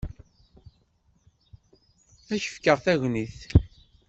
Ad k-fkeɣ tagnit.